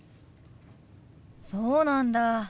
そうなんだ。